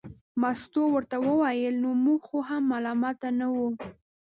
مستو ورته وویل نو موږ خو هم ملامته نه وو.